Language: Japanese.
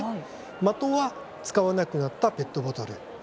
的は使わなくなったペットボトル。